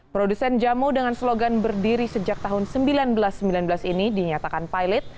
produsen jamu dengan slogan berdiri sejak tahun seribu sembilan ratus sembilan belas ini dinyatakan pilot